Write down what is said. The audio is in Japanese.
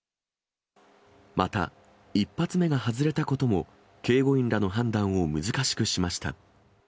また、１発目が外れたことも、警護員らの判断を難しくしました。